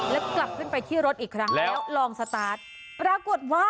แล้วกลับไปที่รถอีกครั้งแล้วลองสตาร์ทแล้ว